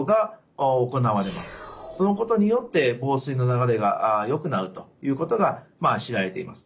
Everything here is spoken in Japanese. そのことによって房水の流れがよくなるということが知られています。